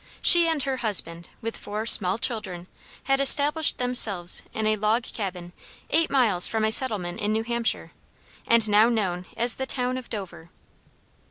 She and her husband, with four small children, had established themselves in a log cabin eight miles from a settlement in New Hampshire, and now known as the town of Dover.